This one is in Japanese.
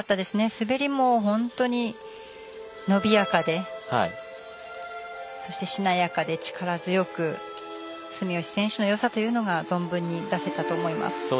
滑りも本当に伸びやかでそして、しなやかで力強く住吉選手のよさというのが存分に出せたと思います。